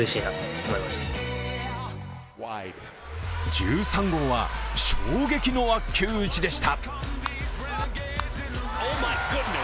１３号は衝撃の悪球打ちでした。